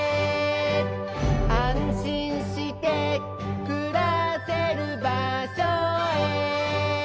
「あんしんしてくらせるばしょへ」